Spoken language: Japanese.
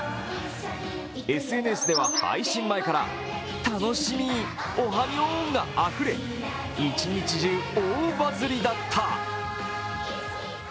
ＳＮＳでは配信前から、楽しみ、おはみぉーんがあふれ一日中大バズりだった。